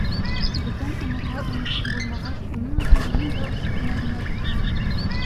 Бүтән уйнарға уйынсыҡ булмағас, уның алдында мин дә орсоҡ менән уйнап ултырам.